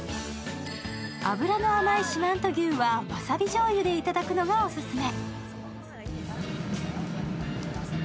脂の甘い四万十牛はわさびじょうゆでいただくのがオススメ。